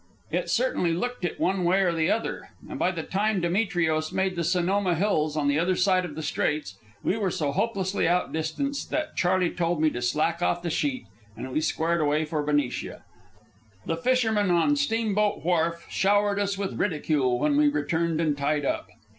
It certainly looked it one way or the other. And by the time Demetrios made the Sonoma Hills, on the other side of the Straits, we were so hopelessly outdistanced that Charley told me to slack off the sheet, and we squared away for Benicia. The fishermen on Steamboat Wharf showered us with ridicule when we returned and tied up.